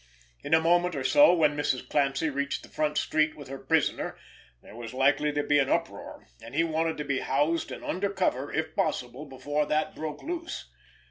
In a moment or so, when Mrs. Clancy reached the front street with her prisoner, there was likely to be an uproar, and he wanted to be housed and under cover if possible before that broke loose.